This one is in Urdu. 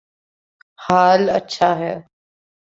حال اچھا ہے